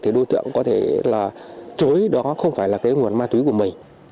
thì đối tượng có thể là chối đó không phải là cái nguồn ma túy của mình